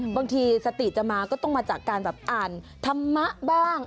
บางทีสติจะมาก็ต้องมาจากการแบบอ่านธรรมะบ้าง